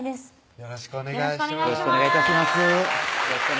よろしくお願いします